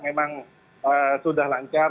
memang sudah lancar